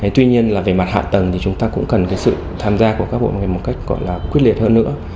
tuy nhiên là về mặt hạ tầng thì chúng ta cũng cần cái sự tham gia của các bộ ngành một cách gọi là khuyết liệt hơn nữa